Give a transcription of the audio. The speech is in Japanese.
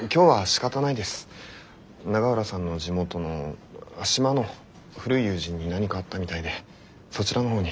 永浦さんの地元の島の古い友人に何かあったみたいでそちらの方に。